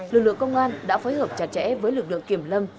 lực lượng công an đã phối hợp chặt chẽ với lực lượng kiểm lâm